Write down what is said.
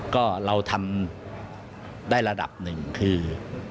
ก็เราทำได้ระดับหนึ่งคือ